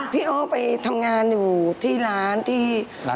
พี่อ้อไปทำงานอยู่ที่ร้านที่ร้าน